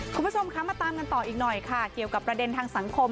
คุณผู้ชมคะมาตามกันต่ออีกหน่อยค่ะเกี่ยวกับประเด็นทางสังคม